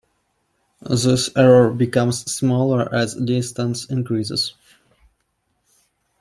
This error becomes smaller as distance increases.